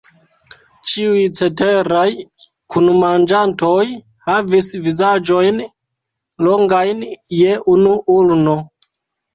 Ĉiuj ceteraj kunmanĝantoj havis vizaĝojn longajn je unu ulno.